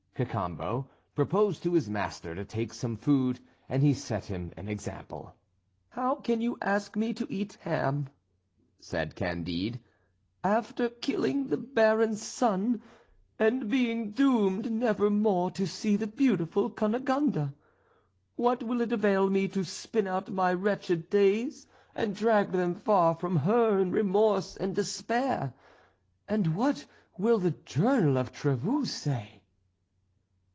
Cacambo proposed to his master to take some food, and he set him an example. "How can you ask me to eat ham," said Candide, "after killing the Baron's son, and being doomed never more to see the beautiful Cunegonde? What will it avail me to spin out my wretched days and drag them far from her in remorse and despair? And what will the Journal of Trevoux say?"